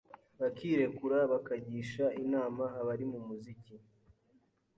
bakirekura, bakagisha inama. abari mu muziki,